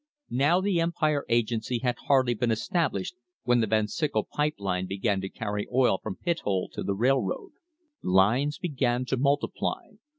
Now the Empire agency had hardly been established when the Van Syckel pipe line began to carry oil from Pithole to the rail road. Lines began to multiply.